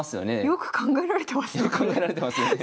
よく考えられてますよね。